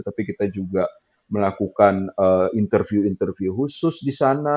tapi kita juga melakukan interview interview khusus di sana